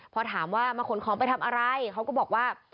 พอถามว่ามาขนของไปทำอะไรเขาก็บอกว่า